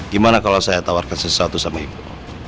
gimana kalau saya tawarkan sesuatu sama ibu